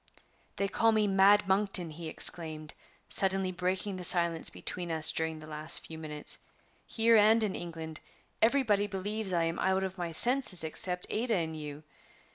"They call me Mad Monkton!" he exclaimed, suddenly breaking the silence between us during the last few minutes, "Here and in England everybody believes I am out of my senses except Ada and you.